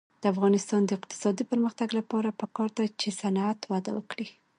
د افغانستان د اقتصادي پرمختګ لپاره پکار ده چې صنعت وده وکړي.